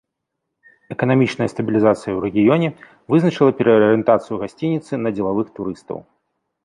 Эканамічная стабілізацыя ў рэгіёне вызначыла пераарыентацыю гасцініцы на дзелавых турыстаў.